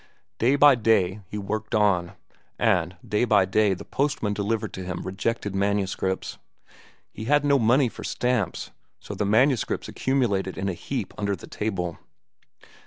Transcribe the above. Day by day he worked on, and day by day the postman delivered to him rejected manuscripts. He had no money for stamps, so the manuscripts accumulated in a heap under the table.